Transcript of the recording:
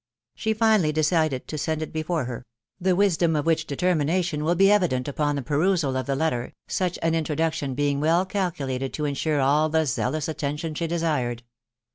She finally decided to send it before her; — the wkdora of which determination will be evident upon the perusal of the letter, such an introduction being well calculated to insure all the zealous attention she desired.